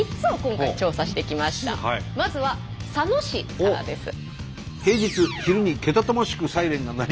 まずは佐野市からです。